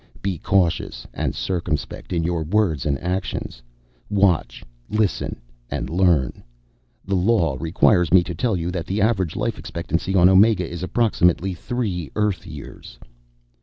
Be cautious and circumspect in your words and actions. Watch, listen, and learn. The law requires me to tell you that the average life expectancy on Omega is approximately three Earth years."